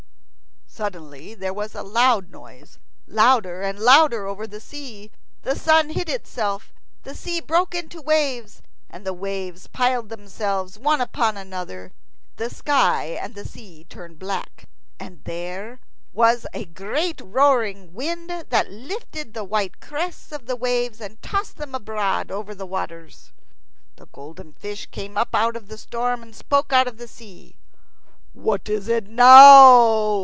Suddenly there was a loud noise, louder and louder over the sea. The sun hid itself. The sea broke into waves, and the waves piled themselves one upon another. The sky and the sea turned black, and there was a great roaring wind that lifted the white crests of the waves and tossed them abroad over the waters. The golden fish came up out of the storm and spoke out of the sea. "What is it now?"